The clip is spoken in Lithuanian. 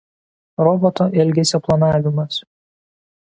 Roboto elgesio planavimas.